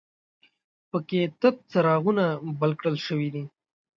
په کې تت څراغونه بل کړل شوي دي.